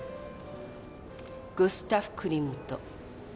グスタフ・クリムト。